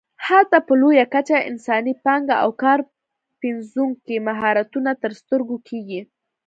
هلته په لویه کچه انساني پانګه او کار پنځوونکي مهارتونه تر سترګو کېږي.